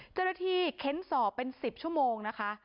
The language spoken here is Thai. เจ้าหน้าที่เค้นสอบเป็น๑๐ชั่วโมงนะคะ